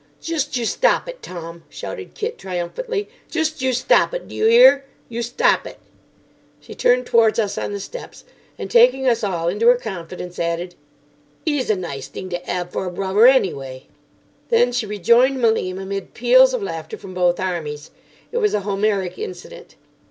"Just you stop it, Tom," shouted Kit triumphantly. "Just you stop it, d'you 'ear, you stop it." She turned towards us on the steps, and, taking us all into her confidence, added: "'E's a nice thing to 'ave for a bruvver, anyway." Then she rejoined Malim, amid peals of laughter from both armies. It was a Homeric incident.